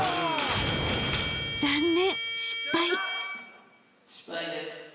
［残念失敗］